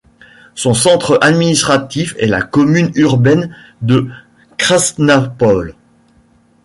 Son centre administratif est la commune urbaine de Krasnapolle.